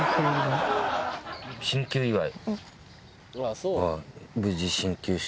進級祝い？